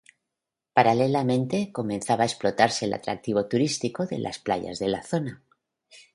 Paralelamente, comenzaba a explotarse el atractivo turístico de las playas de la zona.